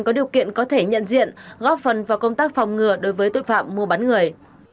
có điều kiện có thể nhận diện góp phần vào công tác phòng ngừa đối với tội phạm mua bán người